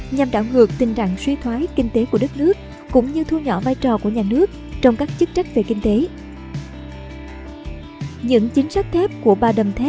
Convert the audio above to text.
nhằm đảo ngược tình trạng suy thoái kinh tế của đất nước cũng như thu nhỏ vai trò của nhà nước trong các chức trách về kinh tế